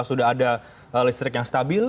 sudah ada listrik yang stabil